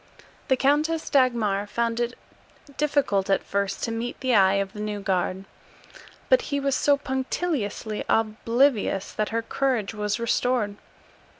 The Countess Dagmar found it difficult at first to meet the eye of the new guard, but he was so punctiliously oblivious that her courage was restored.